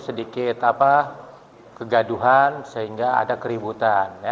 sedikit apa kegaduhan sehingga ada keributan ya